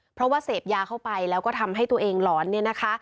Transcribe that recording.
เพราะว่าเศพยาเข้าไปแล้วก็ทำให้ตัวเองหลอน